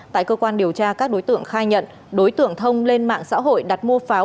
tại cơ quan điều tra các đối tượng khai nhận đối tượng thông lên mạng xã hội đặt mua pháo